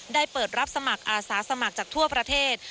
เปิดรับสมัครอาสาสมัครจากทั่วประเทศ